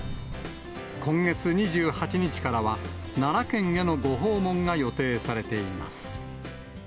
今月２８日からは、奈良県へのご訪問が予定されています。